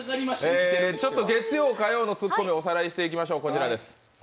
ちょっと月曜、火曜のツッコミ、おさらいしていきましょう。